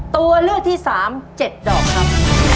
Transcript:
ตัวเลือกที่๓๗ดอกครับ